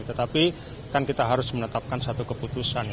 tetapi kan kita harus menetapkan satu keputusan